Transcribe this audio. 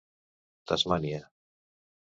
Tasmània.